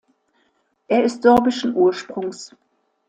Er ist sorbischen Ursprungs.